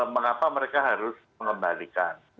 mengapa mereka harus mengembalikan